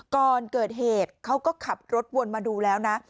ก่อนเกิดเหตุเขาก็ขับรถวนมาดูแล้วนะ